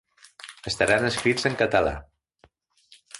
Estaran escrits en català.